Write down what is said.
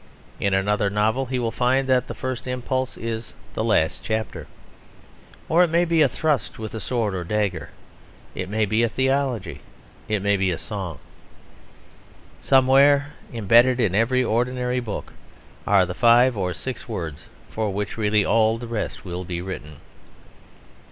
In another novel he will find that the first impulse is the last chapter. Or it may be a thrust with sword or dagger, it may be a theology, it may be a song. Somewhere embedded in every ordinary book are the five or six words for which really all the rest will be written.